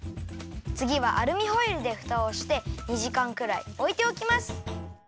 つぎはアルミホイルでふたをして２じかんくらいおいておきます！